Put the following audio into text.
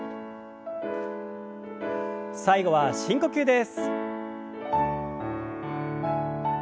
最後は深呼吸です。